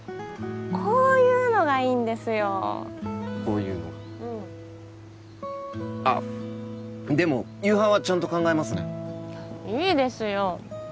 こういうのがいいんですよこういうのがうんあっでも夕飯はちゃんと考えますねいいですよ